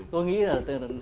tôi nghĩ là